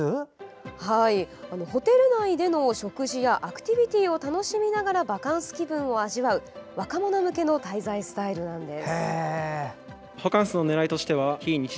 ホテル内での食事やアクティビティーを楽しみながらバカンス気分を味わう若者向けの滞在スタイルです。